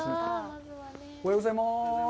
おはようございます。